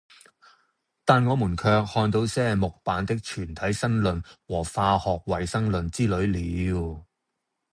但我們卻看到些木版的《全體新論》和《化學衛生論》之類了。